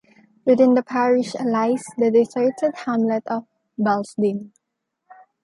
Within the parish lies the deserted hamlet of Balsdean.